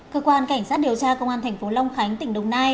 cơ quan cảnh sát điều tra công an thành phố long khánh tỉnh đồng nai